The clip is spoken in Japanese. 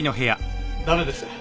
駄目です。